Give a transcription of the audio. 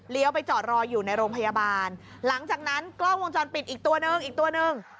ไปจอดรออยู่ในโรงพยาบาลหลังจากนั้นกล้องวงจรปิดอีกตัวนึงอีกตัวหนึ่ง